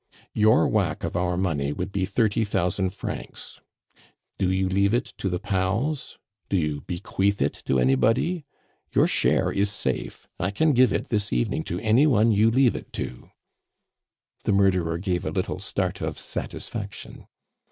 "Your whack of our money would be thirty thousand francs. Do you leave it to the pals? Do you bequeath it to anybody? Your share is safe; I can give it this evening to any one you leave it to." The murderer gave a little start of satisfaction.